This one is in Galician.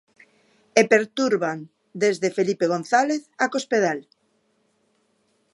E perturban desde Felipe González a Cospedal.